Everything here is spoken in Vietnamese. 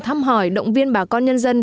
thăm hỏi động viên bà con nhân dân